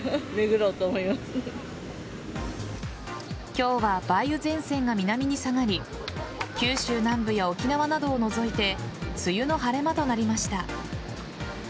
今日は梅雨前線が南に下がり九州南部や沖縄などを除いて梅雨の晴れ間となりました。